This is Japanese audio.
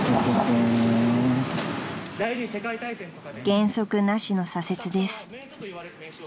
［減速なしの左折です］